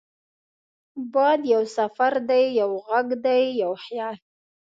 باد یو سفر دی، یو غږ دی، یو خیال